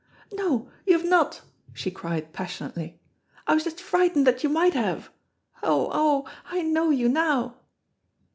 "No, you have not," she cried passionately. "I was just frightened that you might have. Oh, oh, I know you now!"